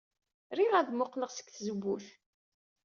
Riɣ ad mmuqqleɣ seg tzewwut.